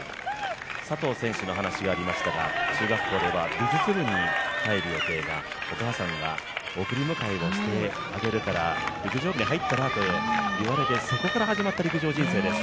佐藤選手の話がありましたが、中学校では美術部に入る予定が、送り迎えをしてあげるから陸上部に入ったら？とそこから始まった陸上人生です。